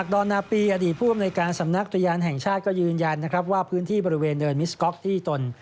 ธนปีอดีตภูมิในการสำนักตรยานแห่งชาติก็ยืนยันว่าพื้นที่บริเวณเดินมิสก๊อกที่ตน